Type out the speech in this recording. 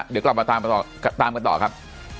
เดี๋ยวกลับมาตามกันต่อครับ